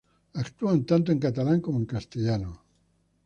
Actúan tanto en catalán como en castellano.